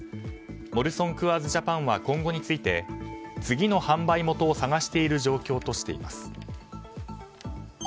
モルソン・クアーズ・ジャパンは今後について次の販売元を探している状況としています。